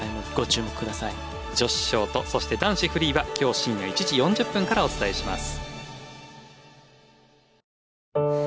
女子ショートそして男子フリーは今日深夜１時４０分からお伝えします。